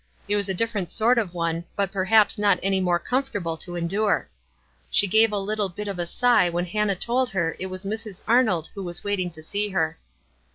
It was a different sort of one, but perhaps not any more comfortable to endure. She gave a little bit of a sigh when Hannah told her it was Mrs. Arnold who was waiting to see her.